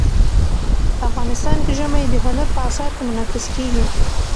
افغانستان کې ژمی د هنر په اثار کې منعکس کېږي.